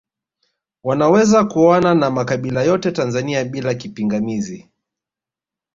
Wanaweza kuoana na makabila yote Tanzania bila kipingamizi